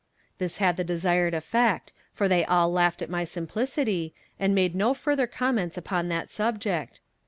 This had the desired effect, for they all laughed at my simplicity, and made no further remarks upon the subject.